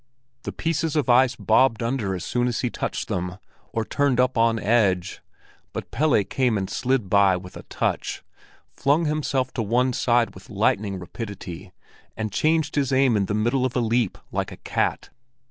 The pieces of ice bobbed under as soon as he touched them, or turned up on edge; but Pelle came and slid by with a touch, flung himself to one side with lightning rapidity, and changed his aim in the middle of a leap like a cat.